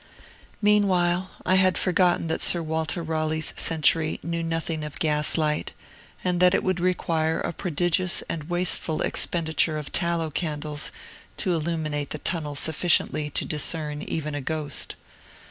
Meanwhile, I had forgotten that Sir Walter Raleigh's century knew nothing of gaslight, and that it would require a prodigious and wasteful expenditure of tallow candles to illuminate the Tunnel sufficiently to discern even a ghost.